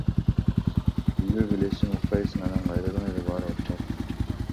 Үйгө келесиң, уктайсың анан кайрадан эле баары башталат.